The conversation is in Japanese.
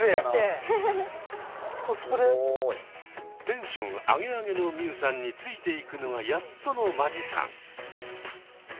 テンションアゲアゲの海さんについていくのがやっとの間地さん。